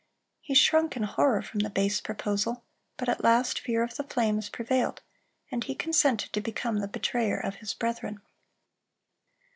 He shrunk in horror from the base proposal, but at last fear of the flames prevailed, and he consented to become the betrayer of his brethren.